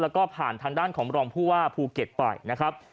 แล้วก็ผ่านทางด้านของรองผู้ว่าภูเก็ตไปนะครับ